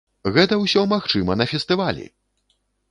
Гэта ўсё магчыма на фестывалі!